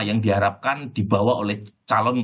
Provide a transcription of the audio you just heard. yang diharapkan dibawa oleh calon